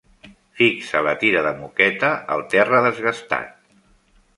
Fixa la tira de moqueta al terra desgastat.